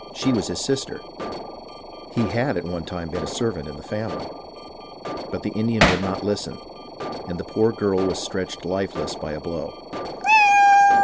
she was his sister (he had at one time been a servant in the family). But the Indian would not listen, and the poor girl was stretched lifeless by a blow.